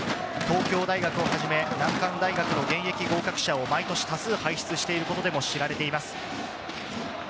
東京大学をはじめ、難関大学の現役合格者を毎年多数輩出してることでも知られています。